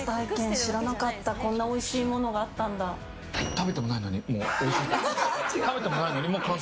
食べてもないのにおいしいって。